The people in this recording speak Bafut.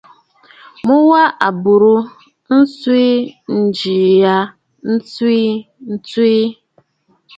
Mu wa à bùrə nswìʼi njiʼì ya tsiʼì swìʼì!